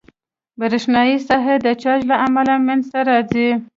برېښنایي ساحه د چارج له امله منځته راځي.